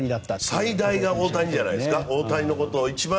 最大が大谷じゃないですか。